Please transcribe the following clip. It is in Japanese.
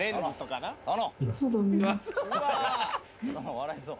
笑いそう。